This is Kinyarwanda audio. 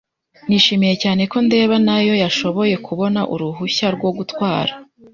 Nishimiye cyane ko ndeba nayo yashoboye kubona uruhushya rwo gutwara.